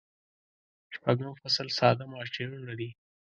شپږم فصل ساده ماشینونه دي.